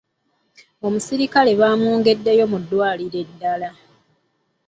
Omusirikale bamwongeddeyo mu ddwaliro eddala.